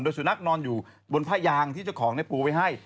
สุนัขนอนอยู่บนผ้ายางที่เจ้าของปูไว้ให้